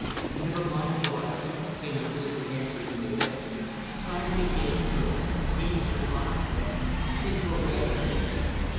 "Never mind, daughter," came the whispered answer from the bed. "Try to be game, girl game as your father. Take her away, Jim."